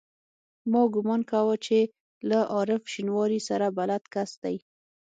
ما ګومان کاوه چې له عارف شینواري سره بلد کس دی.